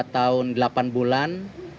dua tahun delapan bulan